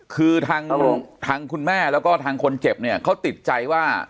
คือทางคุณแม่แล้วก็ทางคนเจ็บเนี่ยเขาติดใจว่า